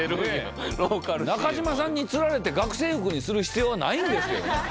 中島さんにつられて学生服にする必要はないんですけどね。